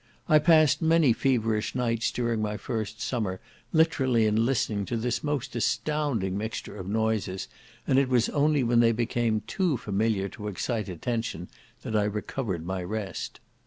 I passed many feverish nights during my first summer, literally in listening to this most astounding mixture of noises, and it was only when they became too familiar to excite attention, that I recovered my rest.